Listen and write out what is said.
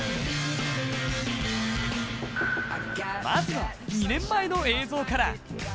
まずは２年前の映像から。